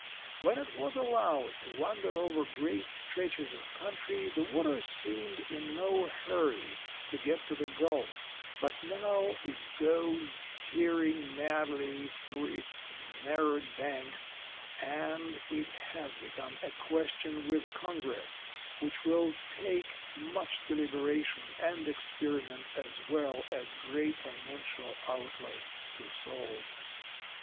When it was allowed to wander over great stretches of country the water seemed in no hurry to get to the gulf, but now it goes tearing madly through its narrowed banks, and it has become a question with Congress which will take much deliberation and experiment as well as great financial outlay to solve.